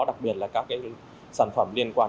đặc biệt là các cái sản phẩm liên quan